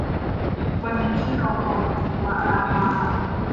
วันนี้ที่รอคอย - วราภา